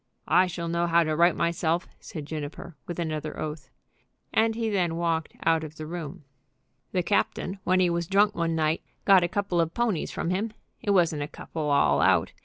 "I shall know how to right myself," said Juniper, with another oath. And he then walked out of the room. "The captain, when he was drunk one night, got a couple of ponies from him. It wasn't a couple all out.